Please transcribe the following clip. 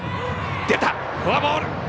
出た、フォアボール。